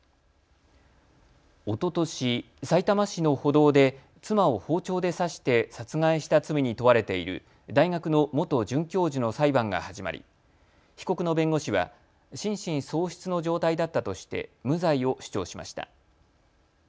おととし、さいたま市の歩道で妻を包丁で刺して殺害した罪に問われている大学の元准教授の裁判が始まり被告の弁護士は心神喪失の状態だったとして無罪を主張しました。